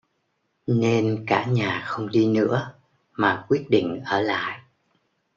Nên cả nhà không đi nữa mà quyết định ở lại